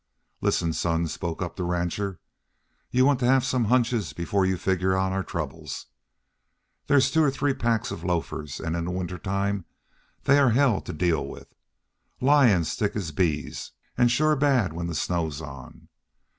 "Listen, son," spoke up the rancher. "You want to have some hunches before you figure on our troubles. There's two or three packs of lofers, an' in winter time they are hell to deal with. Lions thick as bees, an' shore bad when the snow's on.